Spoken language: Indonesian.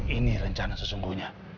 ini rencana sesungguhnya